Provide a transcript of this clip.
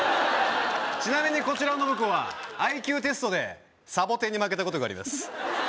ちなみにこちらの信子はＩＱテストでサボテンに負けたことがあります